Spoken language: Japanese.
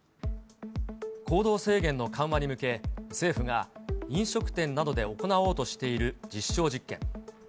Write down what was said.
行動制限の緩和に向け、政府が飲食店などで行おうとしている実証実験。